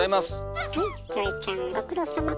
はいキョエちゃんご苦労さま。